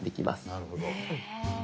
なるほど。